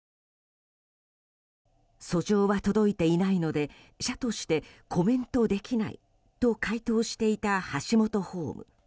訴状は届いていないので社としてコメントできないと回答していたハシモトホーム。